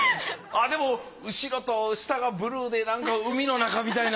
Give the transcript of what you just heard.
でも後ろと下がブルーで海の中みたいな。